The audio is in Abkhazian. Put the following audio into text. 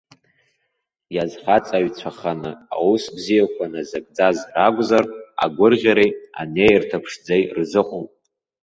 Иазхаҵаҩцәаханы, аус бзиақәа назыгӡаз ракәзар, агәырӷьареи, анеирҭа ԥшӡеи рзыҟоуп.